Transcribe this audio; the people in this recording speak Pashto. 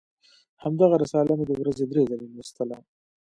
همدغه رساله مې د ورځې درې ځله لوستله.